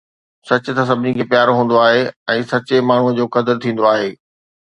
سچ ته سڀني کي پيارو هوندو آهي ۽ سچي ماڻهوءَ جو قدر ٿيندو آهي